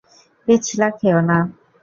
পিছলা খেও না।